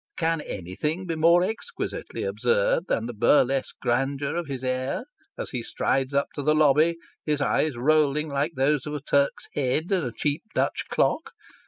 Can anything be more exquisitely absurd than the burlesque grandeur of his air, as he strides up to the lobby, his eyes rolling like those of a Turk's head in a cheap Dutch clock